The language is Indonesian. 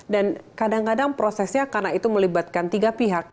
dan kadang kadang prosesnya karena itu melibatkan tiga pihak